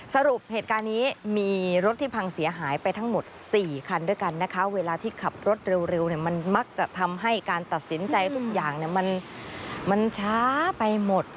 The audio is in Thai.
สรุปเหตุการณ์นี้มีรถที่พังเสียหายไปทั้งหมด๔คันด้วยกันนะคะเวลาที่ขับรถเร็วเนี่ยมันมักจะทำให้การตัดสินใจทุกอย่างมันช้าไปหมด